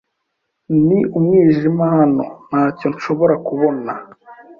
Ni umwijima hano. Ntacyo nshobora kubona.